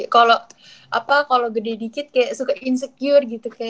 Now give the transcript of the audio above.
kalau gede dikit kayak suka insecure gitu